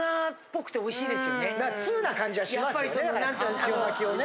通な感じはしますよね